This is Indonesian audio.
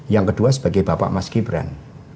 yang kedua sebagai bapak mas gibran